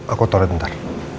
aku taruh sebentar